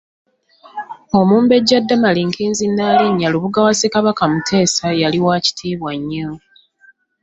Omumbejja Damali Nkinzi Nnaalinnya Lubuga wa Ssekabaka Mutesa yali wa kitiibwa nnyo.